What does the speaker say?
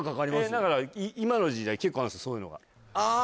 だから今の時代結構あるんですそういうのがあ